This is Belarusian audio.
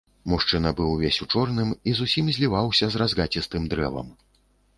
Мужчына быў увесь у чорным і зусім зліваўся з разгацістым дрэвам.